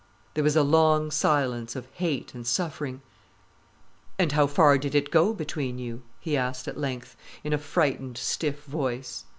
There was a long silence of hate and suffering. "And how far did it go between you?" he asked at length, in a frightened, stiff voice.